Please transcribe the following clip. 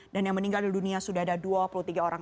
dan yang meninggal di dunia sudah ada dua puluh tiga orang